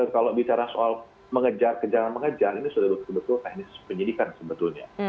kalau bicara soal mengejar kejalan mengejar ini sudah sebetulnya teknis penyelidikan sebetulnya